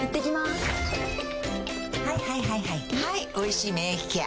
はい「おいしい免疫ケア」